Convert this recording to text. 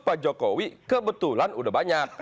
pak jokowi kebetulan udah banyak